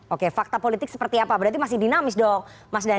oke fakta politik seperti apa berarti masih dinamis dong mas dhani